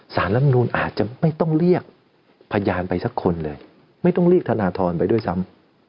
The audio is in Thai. ลำนูนอาจจะไม่ต้องเรียกพยานไปสักคนเลยไม่ต้องเรียกธนทรไปด้วยซ้ำ